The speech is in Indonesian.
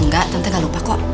enggak tentu gak lupa kok